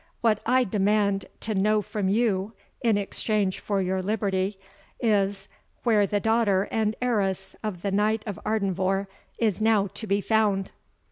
What I demand to know from you, in exchange for your liberty, is, where the daughter and heiress of the Knight of Ardenvohr is now to be found?"